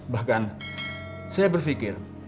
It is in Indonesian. bahkan saya berpikir